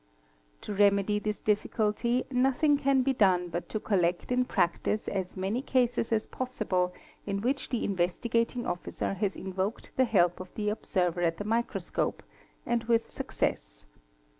| To remedy this difficulty nothing can be done but to collect in practice as many cases as possible in which the Investigating Officer has invoked the help of the observer at the microscope, and with success.